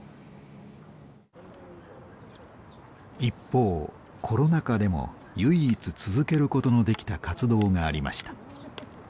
一方コロナ禍でも唯一続けることのできた活動がありました。